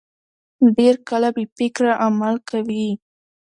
ډېر کله بې فکره عمل کوي.